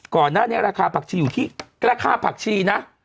ก่อนหน้านี้ราคาผักชีอยู่ที่แค่ค่าผักชีนะ